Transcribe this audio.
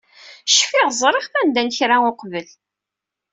Cfiɣ ẓriɣ-t anda n kra uqbel.